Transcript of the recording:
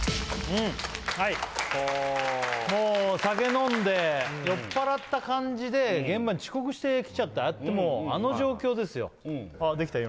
はいもう酒飲んで酔っ払った感じで現場に遅刻してきちゃったああやってもうあの状況ですよできた？